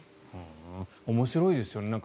面白いですよね。